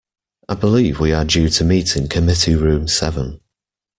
I believe we are due to meet in committee room seven.